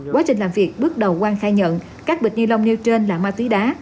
quá trình làm việc bước đầu quang khai nhận các bịch ni lông nêu trên là ma túy đá